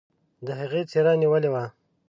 د هغې څيره نيولې وه.